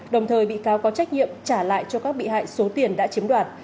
đồng thời bị cáo có trách nhiệm trả lại cho các bị hại số tiền đã chiếm đoạt